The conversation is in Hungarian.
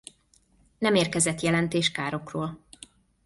Nem érkezett jelentés károkról.